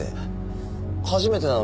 初めて？